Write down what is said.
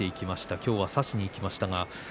今日は差しにいきました。